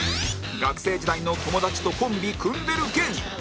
学生時代の友達とコンビ組んでる芸人